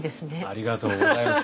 ありがとうございます。